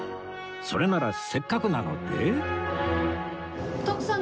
それならせっかくなので